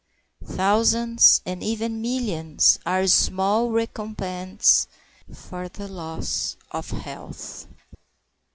Thousands, and even millions, are small recompense for the loss of health.